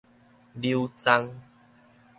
扭㨑